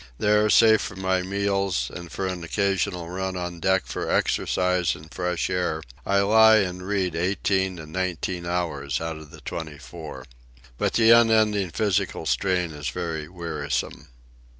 There, save for my meals and for an occasional run on deck for exercise and fresh air, I lie and read eighteen and nineteen hours out of the twenty four. But the unending physical strain is very wearisome.